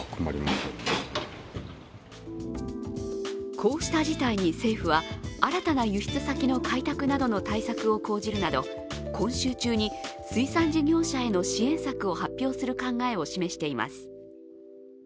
こうした事態に政府は、新たな輸出先の開拓などの対策を講じるなど水産事業者への支援策を発表する考えを示しています。